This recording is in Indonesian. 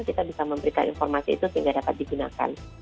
kita bisa memberikan informasi itu sehingga dapat digunakan